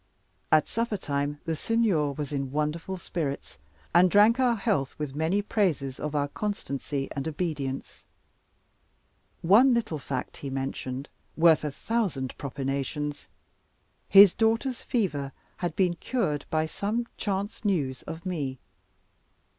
At supper time the Signor was in wonderful spirits, and drank our health with many praises of our constancy and obedience. One little fact he mentioned worth a thousand propinations; his daughter's fever had been cured by some chance news of me.